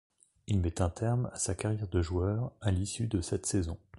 Il met un terme à sa carrière de joueur à l'issue de cette saison.